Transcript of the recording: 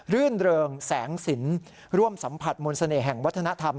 ื่นเริงแสงสินร่วมสัมผัสมนต์เสน่ห์แห่งวัฒนธรรม